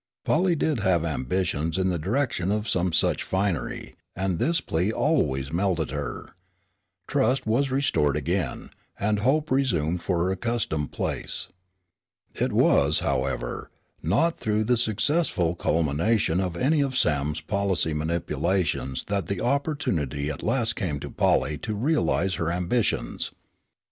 Polly did have ambitions in the direction of some such finery, and this plea always melted her. Trust was restored again, and Hope resumed her accustomed place. It was, however, not through the successful culmination of any of Sam's policy manipulations that the opportunity at last came to Polly to realize her ambitions.